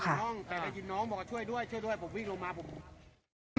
เขาก็ฟันเลยฟันเข้าคอผมดิ